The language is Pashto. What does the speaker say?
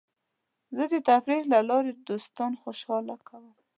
زه د تفریح له لارې دوستان خوشحاله کوم.